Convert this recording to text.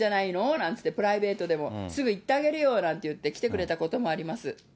なんつって、プライベートでも、すぐ行ってあげるよなんて言って、来てくれたこともあります。